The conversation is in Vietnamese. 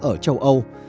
ở châu âu